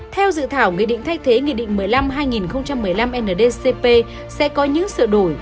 theo dự thảo nghị định thay thế nghị định một mươi năm hai nghìn một mươi năm ndcp sẽ có những sửa đổi